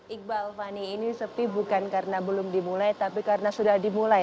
iqbal fani ini sepi bukan karena belum dimulai tapi karena sudah dimulai